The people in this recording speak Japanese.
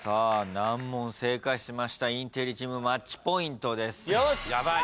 難問正解しましたインテリチームマッチポイントです。